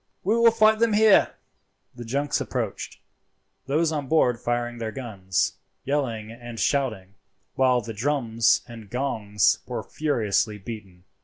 We will fight them here." The junks approached, those on board firing their guns, yelling and shouting, while the drums and gongs were furiously beaten.